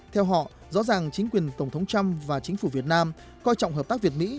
theo họ rõ ràng chính quyền tổng thống trump và chính phủ việt nam coi trọng hợp tác việt mỹ